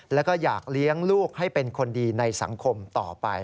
แล้วก็อยากเลี้ยงลูกให้เป็นคนดีในสังคมต่อไป